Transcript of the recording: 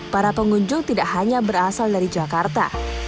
para pengunjung tidak hanya berasal dari jakarta